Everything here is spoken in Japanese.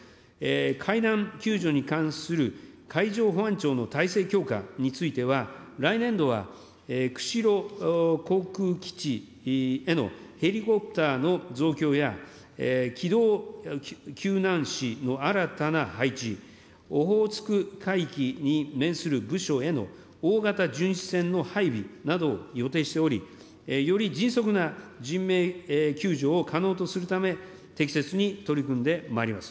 海難救助に関する海上保安庁の体制強化については、来年度は釧路航空基地へのヘリコプターの増強や、機動救難士の新たな配置、オホーツク海域に面する部署への大型巡視船の配備などを予定しており、より迅速な人命救助を可能とするため、適切に取り組んでまいります。